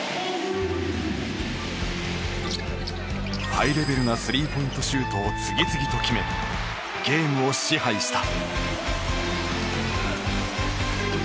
ハイレベルなスリーポイントシュートを次々と決め、ゲームを支配した。